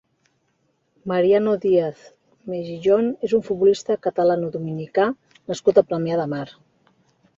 Mariano Díaz Mejiyon és un futbolista catalano-dominicà nascut a Premià de Mar.